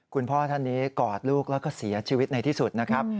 คุณพ่อท่านนี้กอดลูกแล้วก็เสียชีวิตในที่สุดนะครับ